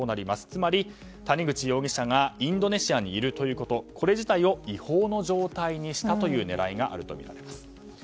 つまり、谷口容疑者がインドネシアにいるということこれ自体を違法の状態にしたという狙いがあるとみられます。